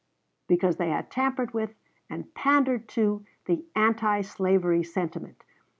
Because they had tampered with, and pandered to, the anti slavery sentiment.